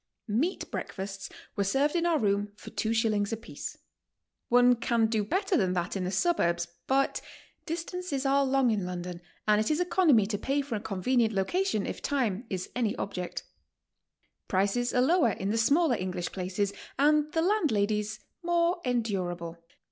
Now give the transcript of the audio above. Meat breakfasts were served in our room for two shillings apiece. One can do better than that in the suburbs, but distances are long in London and it is economy to pay for a convenient location if time is any object Prices are lower in the smaller English places, and the landladies more endurable.